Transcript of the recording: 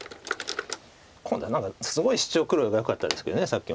今度はすごいシチョウ黒がよかったですけどさっきまで。